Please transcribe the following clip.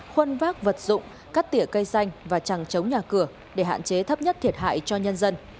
khuân vác vật dụng cắt tỉa cây xanh và chẳng chống nhà cửa để hạn chế thấp nhất thiệt hại cho nhân dân